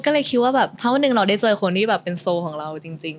ก็เลยคิดว่าแบบถ้าวันหนึ่งเราได้เจอคนที่แบบเป็นโซของเราจริง